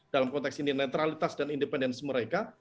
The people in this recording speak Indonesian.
dalam konteks ini netralitas dan independensi mereka